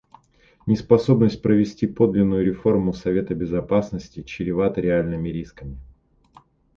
Неспособность провести подлинную реформу Совета Безопасности чревата реальными рисками.